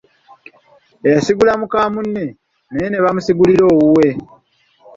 Yasigula muka munne, naye n’ebamusigulira owuwe.